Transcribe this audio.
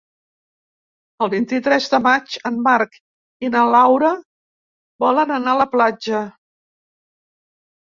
El vint-i-tres de maig en Marc i na Laura volen anar a la platja.